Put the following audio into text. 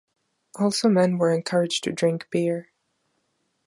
Also men were encouraged to drink beer.